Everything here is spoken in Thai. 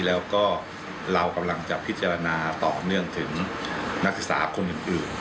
แล้วก็เรากำลังจะพิจารณาต่อเนื่องถึงนักศึกษาคนอื่น